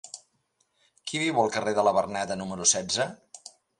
Qui viu al carrer de la Verneda número setze?